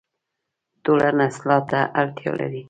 ټولنه اصلاح ته اړتیا لري